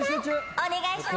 お願いします。